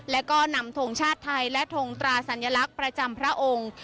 และก็นำทงชาติไทยและทงตราสัญลักษณ์ประจำพระองค์